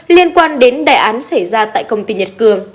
liên quan đến đại án xảy ra tại công ty nhật cường